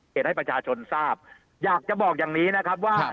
เหตุให้ประชาชนทราบอยากจะบอกอย่างนี้นะครับว่า